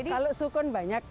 kalau sukun banyak